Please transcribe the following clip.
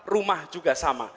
rumah juga sama